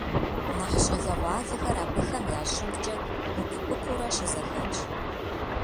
Нэхъ щӏалэгъуалэхэр абыхэм я щӏыбкӏэ гуп-гупурэ щызэхэтщ.